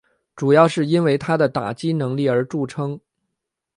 主要是因为他的打击能力而着称。